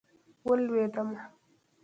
ولوېدمه.